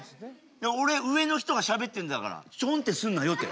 俺上の人がしゃべってんだからちょんってすんなよて。